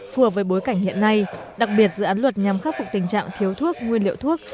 phù hợp với bối cảnh hiện nay đặc biệt dự án luật nhằm khắc phục tình trạng thiếu thuốc nguyên liệu thuốc